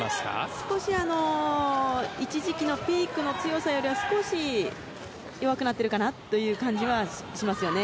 少し一時期のピークの強さよりは少し弱くなっているかなという気はしますよね。